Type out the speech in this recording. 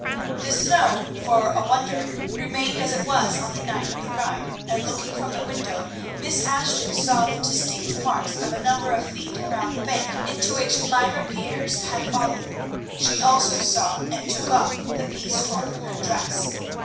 The snow, for a wonder, remained as it was on the night of the ride, and looking from the window Miss Ashton saw the distinct marks of a number of feet around the bank into which Myra Peters had fallen. She also saw, and took off, the piece torn from her dress.